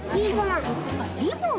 リボン。